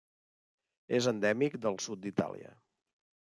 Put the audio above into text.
És endèmic del sud d'Itàlia.